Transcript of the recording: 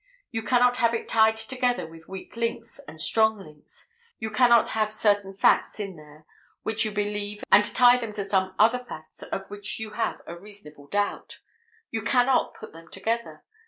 You cannot have it tied together with weak links and strong links. You cannot have certain facts in there which you believe and tie them to some other facts of which you have a reasonable doubt. You cannot put them together.